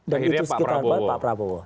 dan itu sekitar buat pak prabowo